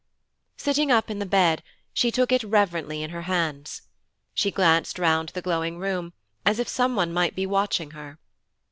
Sitting up in the bed, she took it reverently in her hands. She glanced round the glowing room as if some one might be watching her.